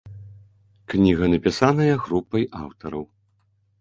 Кніга напісаная групай аўтараў.